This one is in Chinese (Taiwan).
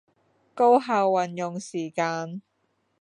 高效運用時間